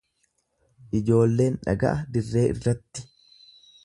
Ijoolleen dhaga'a dirree irratti.